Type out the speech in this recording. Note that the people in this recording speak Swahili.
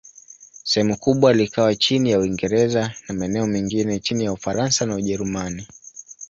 Sehemu kubwa likawa chini ya Uingereza, na maeneo mengine chini ya Ufaransa na Ujerumani.